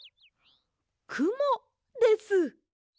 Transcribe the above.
くもです。